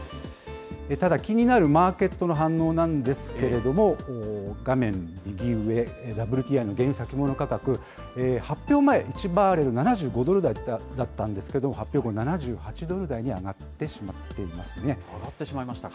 ただ、気になるマーケットの反応なんですけれども、画面右上、ＷＴＩの原油先物価格、発表前、１バレル７５ドル台だったんですけれども、発表後、７８ドル台に上がってしまいましたか。